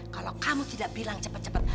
kalau kamu tidak bilang cepet cepet